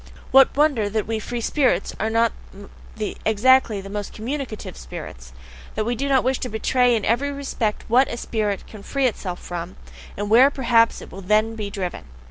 What wonder that we "free spirits" are not exactly the most communicative spirits? that we do not wish to betray in every respect WHAT a spirit can free itself from, and WHERE perhaps it will then be driven?